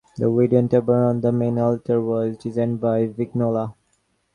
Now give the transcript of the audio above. The wooden tabernacle on the main altar was designed by Vignola.